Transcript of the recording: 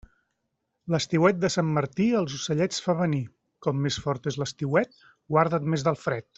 L'estiuet de Sant Martí els ocellets fa venir; com més fort és l'estiuet, guarda't més del fred.